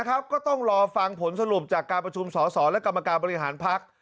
ก็ต้องรอฟังผลสรุปจากการประชุมสอสอและกรรมการบริหารพัก